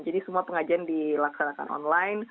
jadi semua pengajian dilaksanakan online